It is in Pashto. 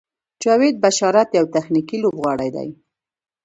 جاوید بشارت یو تخنیکي لوبغاړی دی.